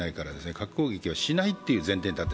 核攻撃をしないという前提に立つ。